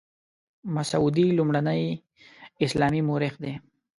مسعودي لومړنی اسلامي مورخ دی.